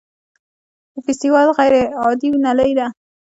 د فیستول غیر عادي نلۍ ده.